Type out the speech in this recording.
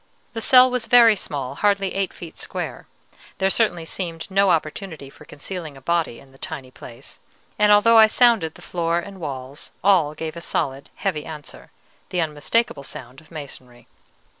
The cell was very small, hardly eight feet square. There certainly seemed no opportunity for concealing a body in the tiny place; and although I sounded the floor and walls, all gave a solid, heavy answer, the unmistakable sound of masonry.